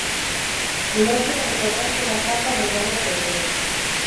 Imaxe da reportaxe da capa do novo Aprender.